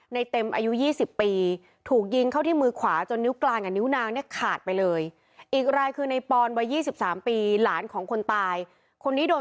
ในเต็มอายุยี่สิบปีถูกยิงเข้าที่มือขวาจนนิ้วกลางกับนิ้วนางเนี่ยขาดไปเลย